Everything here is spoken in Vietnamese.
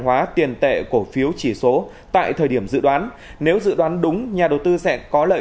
hóa tiền tệ cổ phiếu chỉ số tại thời điểm dự đoán nếu dự đoán đúng nhà đầu tư sẽ có lợi